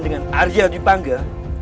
dengan arya di pangga